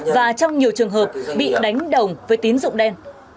và trong nhiều trường hợp bị đánh đồng với tín dụng đen